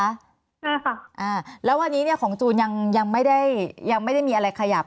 ใช่ค่ะอ่าแล้ววันนี้เนี่ยของจูนยังยังไม่ได้ยังไม่ได้มีอะไรขยับ